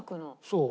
そう。